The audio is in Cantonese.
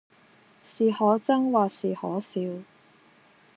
是可憎或是可笑，